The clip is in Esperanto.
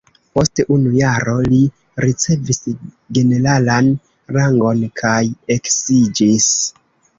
Post unu jaro li ricevis generalan rangon kaj eksiĝis.